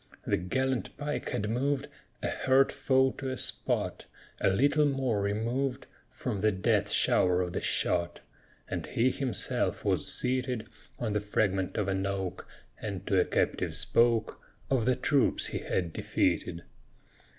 The gallant Pike had moved A hurt foe to a spot A little more removed From the death shower of the shot; And he himself was seated On the fragment of an oak, And to a captive spoke, Of the troops he had defeated.